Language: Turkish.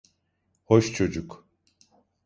Hoş çocuk.